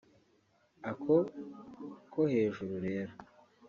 Ako ko hejuru rero